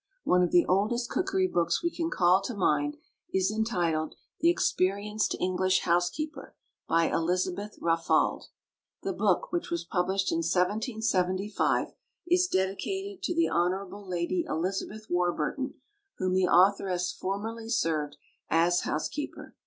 One of the oldest cookery books we can call to mind is entitled "The Experienced English Housekeeper," by Elizabeth Raffald. The book, which was published in 1775, is dedicated to the Hon. Lady Elizabeth Warburton, whom the authoress formerly served. as housekeeper.